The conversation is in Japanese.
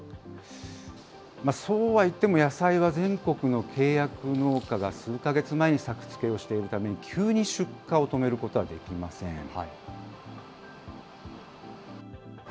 そうはいっても野菜は全国の契約農家が数か月前に作付けをしているために、急に出荷を止めることはできません。